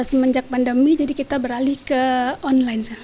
semenjak pandemi jadi kita beralih ke online